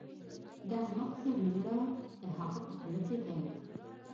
د احمق سړي زړه د هغه په خوله کې دی.